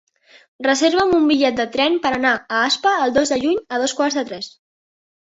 Reserva'm un bitllet de tren per anar a Aspa el dos de juny a dos quarts de tres.